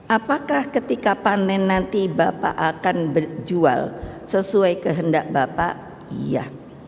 apakah ketika panen nanti bapak akan berjual sesuai kehendak bapak iya